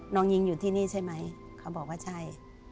น้องยิงอยู่ที่นี่ใช่ไหมเขาบอกว่าใช่